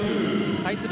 対する